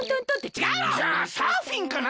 じゃあサーフィンかな？